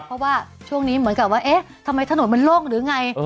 เพราะว่าช่วงนี้เหมือนกับว่าเอ๊ะทำไมถนนมันโล่งหรือไง